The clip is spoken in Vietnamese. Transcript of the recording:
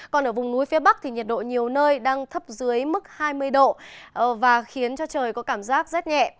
còn ở vùng núi phía bắc thì nhiệt độ nhiều nơi đang thấp dưới mức hai mươi độ và khiến cho trời có cảm giác rét nhẹ